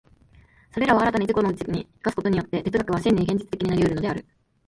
それらを新たに自己のうちに生かすことによって、哲学は真に現実的になり得るのである。